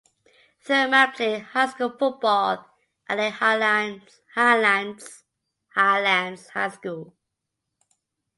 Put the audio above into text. Thurman played high school football at Lake Highlands High School.